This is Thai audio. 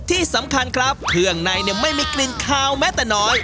ที่สำคัญครับเครื่องในไม่มีกลิ่นคาวแม้แต่น้อย